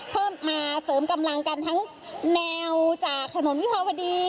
เพิ่มมาเสริมกำลังกันทั้งแนวจากถนนวิภาวดี